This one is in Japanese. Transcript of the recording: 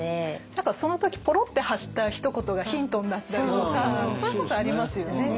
何かその時ぽろって発したひと言がヒントになったりとかそういうことありますよね。